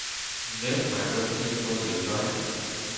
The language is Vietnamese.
Nếu mà đúng như tôi dự đoán